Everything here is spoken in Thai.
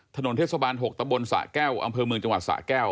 ถนนเทศบาล๖ตะบนสะแก้วอำเภอเมืองจังหวัดสะแก้ว